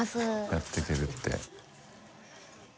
やっていけるって。